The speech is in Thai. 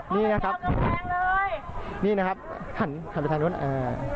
นี่นะครับนี่นะครับหันหันไปทางนู้นอ่า